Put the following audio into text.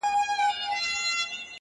• په لوی ښار کي یوه لویه وداني وه -